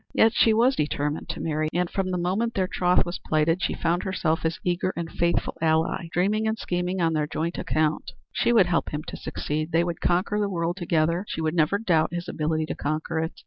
Yet she was determined to marry him, and from the moment their troth was plighted she found herself his eager and faithful ally, dreaming and scheming on their joint account. She would help him to succeed; they would conquer the world together; she would never doubt his ability to conquer it.